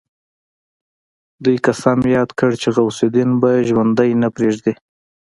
دوی قسم ياد کړ چې غوث الدين به ژوندی نه پريږدي.